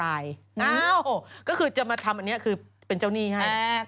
อ้าวก็คือจะมาทำอันนี้คือเป็นเจ้าหนี้ให้